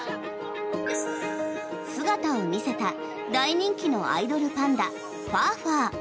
姿を見せた大人気のアイドルパンダファーファー。